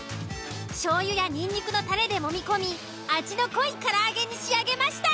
醤油やニンニクのタレでもみ込み味の濃い唐揚げに仕上げました。